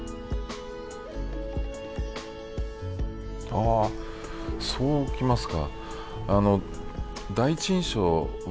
あそうきますか。